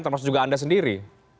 termasuk juga anda sendiri